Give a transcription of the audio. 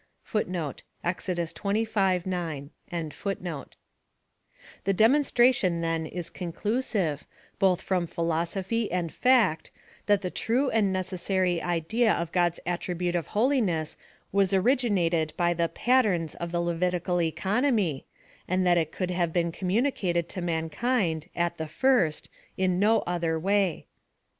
* The demonstration then is conclusive, both from philosophy and fact, that the true and necessary' idea of God's attribute of holiness was originated by the '* patterns" of the Levitical economy, and that it could have been communicated to mankind, at the first, in no other way.